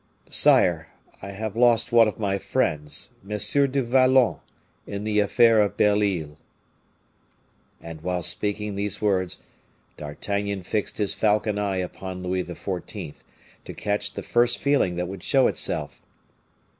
"Sire, I have lost one of my friends, M. du Vallon, in the affair of Belle Isle." And, while speaking these words, D'Artagnan fixed his falcon eye upon Louis XIV., to catch the first feeling that would show itself.